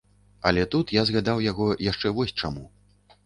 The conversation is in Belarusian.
Але тут я згадаў яго яшчэ вось чаму.